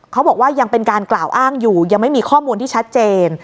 เขาบอกว่ายังเป็นการกล่าวอ้างอยู่ยังไม่มีข้อมูลที่ชัดเจน